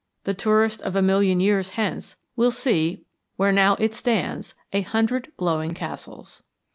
The tourist of a million years hence will see, where now it stands, a hundred glowing castles.